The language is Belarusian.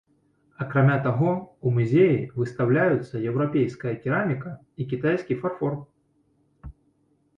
Акрамя таго, у музеі выстаўляюцца еўрапейская кераміка і кітайскі фарфор.